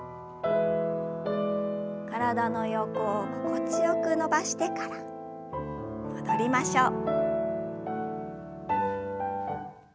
体の横を心地よく伸ばしてから戻りましょう。